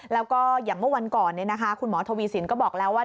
แล้วก็อย่างเมื่อวันก่อนคุณหมอทวีสินก็บอกแล้วว่า